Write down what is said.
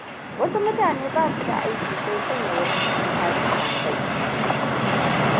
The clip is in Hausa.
Wasu mutane ba su da aiki sai sanya wasu cikin tashin hankali.